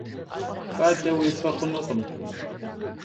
Fade vuêfe xhunukhım.